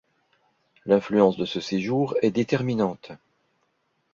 L’influence de ce séjour est déterminante.